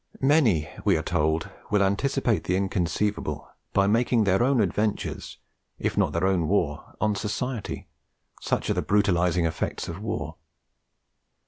Many, we are told, will anticipate the inconceivable by making their own adventures, if not their own war on society, such are the brutalising effects of war!